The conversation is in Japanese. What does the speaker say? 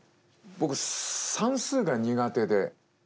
僕算数が苦手で。